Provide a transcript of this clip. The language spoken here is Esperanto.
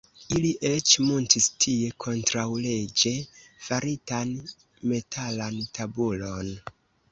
Ili eĉ muntis tie kontraŭleĝe faritan metalan tabulon.